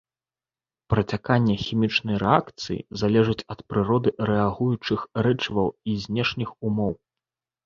Працяканне хімічнай рэакцыі залежыць ад прыроды рэагуючых рэчываў і знешніх умоў.